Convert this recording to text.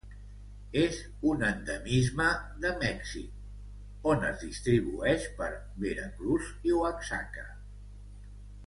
És un endemisme de Mèxic on es distribueix per Veracruz i Oaxaca.